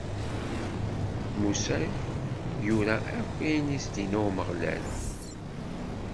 Musa yura ayen akk i s-d-inna Umeɣlal.